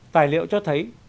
tài liệu cho thấy